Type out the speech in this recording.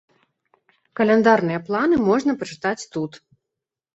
Каляндарныя планы можна пачытаць тут.